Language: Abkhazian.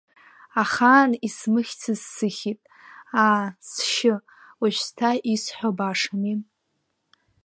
Ахаан исмыхьцыз сыхьит, аа, сшьы, уажәшьҭа исҳәо башами!